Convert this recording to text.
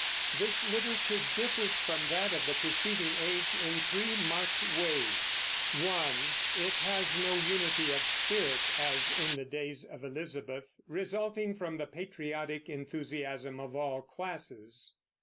This literature differs from that of the preceding age in three marked ways: (1) It has no unity of spirit, as in the days of Elizabeth, resulting from the patriotic enthusiasm of all classes.